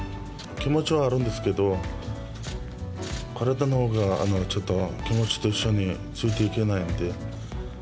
気持ちはあるんですけど、体のほうが、ちょっと気持ちと一緒についていけないので。